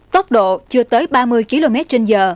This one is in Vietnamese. tốc độ chưa tới ba mươi kmh